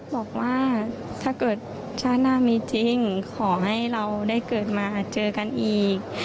บอกว่าถ้าเกิดชาติหน้ามีจริงขอให้เราได้เกิดมาเจอกันอีก